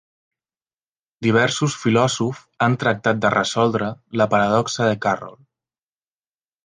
Diversos filòsofs han tractat de resoldre la paradoxa de Carroll.